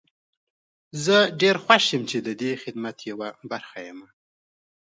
زه ډير خوښ يم چې ددې خدمت يوه برخه يم.